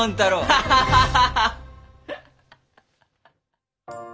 ハハハハハ！